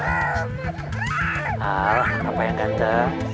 al kenapa yang ganteng